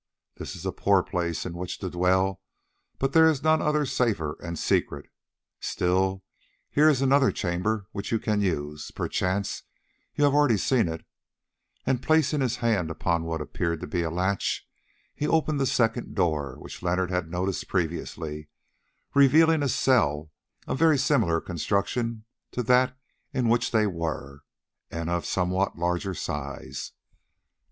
This is a poor place in which to dwell, but there is none other safe and secret. Still, here is another chamber which you can use; perchance you have already seen it," and placing his hand upon what appeared to be a latch, he opened the second door which Leonard had noticed previously, revealing a cell of very similar construction to that in which they were, and of somewhat larger size.